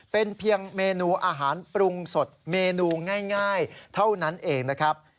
เป็นเพียงเมนูอาหารปรุงสดเมนูง่ายเท่านั้นเองนะครับ